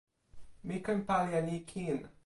mi ken pali e ni kin.